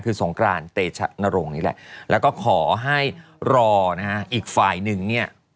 คือสงกรานเตชะนรงค์นี่แหละแล้วก็ขอให้รอนะฮะอีกฝ่ายหนึ่งเนี่ย